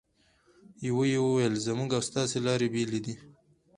یوه یې وویل: زموږ او ستاسې لارې بېلې دي.